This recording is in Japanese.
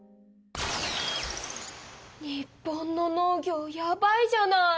日本の農業やばいじゃない！